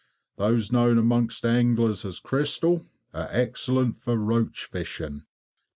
Those known amongst anglers as "Crystal," are excellent for roach fishing.